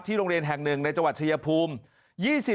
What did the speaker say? ที่โรงเรียนแห่ง๑ในจังหวัดเฉยภูมิ